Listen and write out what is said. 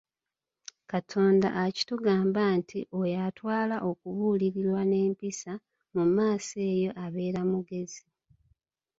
Katonda akitugamba nti oyo atwala okubuulirirwa n'empisa, mu maaso eyo abeera mugezi.